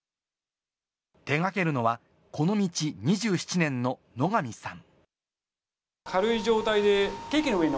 手掛けるのは、この道２７年の野上さん。